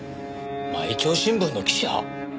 毎朝新聞の記者？